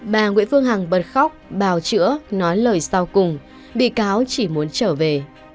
bà nguyễn phương hằng bật khóc bào chữa nói lời sau cùng bị cáo chỉ muốn trở về